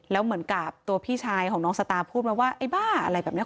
แล้วเหมือนกับตัวพี่ชายของน้องสตาร์พูดมาว่าไอ้บ้าอะไรแบบนี้